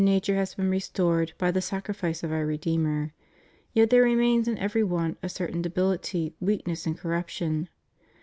nature has been restored by the sacrifice of Our Redeemer, yet there remains in every one a certain debility, weakness and corruption.